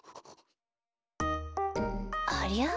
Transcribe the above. ありゃ？